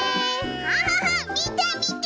キャハハみてみて！